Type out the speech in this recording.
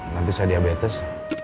nanti saya diabetes